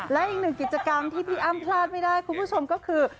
และอีกหนึ่งกิจกรรมที่พี่อ้ำพลาดไม่ได้คุณผู้ชมก็คือ